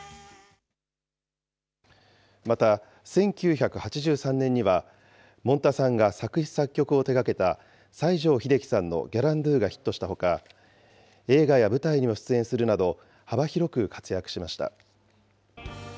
また、１９８３年には、もんたさんが作詞作曲を手がけた西城秀樹さんのギャランドゥがヒットしたほか、映画や舞台にも出演するなど、幅広く活躍しました。